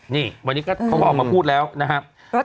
นี่วันนี้เขาก็ออกมาพูดแล้วนะครับ